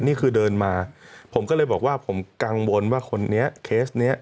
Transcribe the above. นี่คือเดินมาผมก็เลยบอกว่าผมกังวลว่าคนนี้เคสเนี้ย